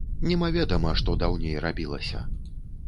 Немаведама што даўней рабілася.